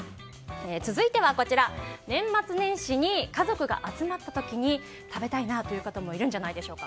続いては、年末年始に家族が集まった時に食べたいなという方もいるんじゃないんでしょうか。